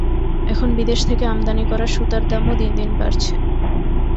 এখন বিদেশ থেকে আমদানি করা সুতার দামও দিন দিন বাড়ছে।